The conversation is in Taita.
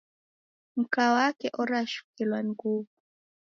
Mka wake orashukilwa ni nguw'o.